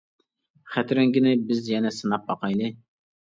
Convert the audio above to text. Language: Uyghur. خەت رەڭگىنى بىز يەنە سىناپ باقايلى.